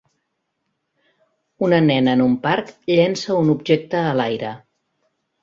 Una nena en un parc llença un objecte a l'aire